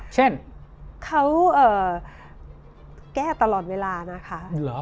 เช่นเขาแก้ตลอดเวลานะคะ